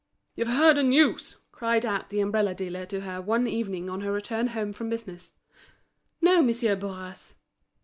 "You've heard the news?" cried out the umbrella dealer to her one evening on her return home from business. "No, Monsieur Bourras."